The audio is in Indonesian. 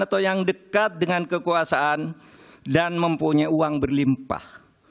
atau yang dekat dengan kekuasaan dan mempunyai uang berlimpah